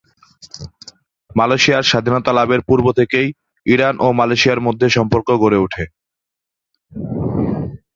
মালয়েশিয়ার স্বাধীনতা লাভের পূর্ব থেকেই ইরান ও মালয়েশিয়ার মধ্যে সম্পর্ক গড়ে ওঠে।